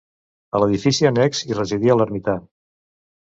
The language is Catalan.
A l'edifici annex hi residia l'ermità.